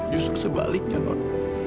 justru sebaliknya non